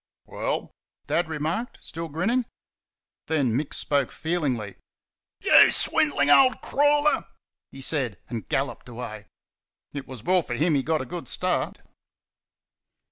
"Well?" Dad remarked, still grinning. Then Mick spoke feelingly. "YOU SWINDLING OLD CRAWLER!" he said, and galloped away. It was well for him he got a good start.